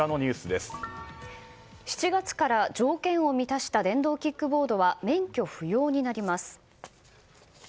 ７月から条件を満たした電動キックボードは免許不要になります。